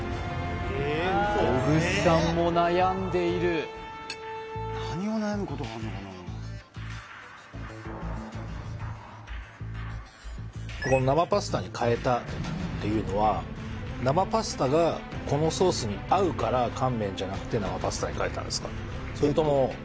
小楠さんも悩んでいる生パスタに変えたっていうのは生パスタがこのソースに合うから乾麺じゃなくて生パスタに変えたんですか？